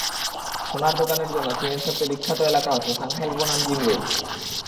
সোনার দোকানের জন্য চীনের সবচেয়ে বিখ্যাত এলাকা হচ্ছে সাংহাইয়ের পূর্ব নানজিং রোড।